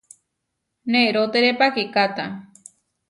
Nerótere pakikáta.